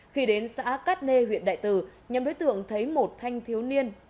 khi đến xã cát nê huyện đại tư nhằm đối tượng thấy một thanh thiếu niên